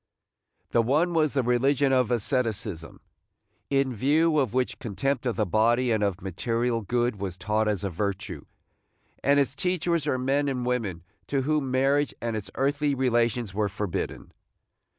The one was the religion of asceticism, in view of which contempt of the body and of material good was taught as a virtue, and its teachers were men and women to whom marriage and its earthly relations were forbidden.